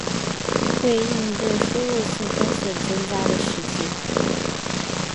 为应对输入性风险增加的实际